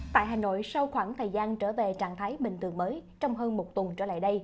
tại hà nội sau khoảng thời gian trở về trạng thái bình thường mới trong hơn một tuần trở lại đây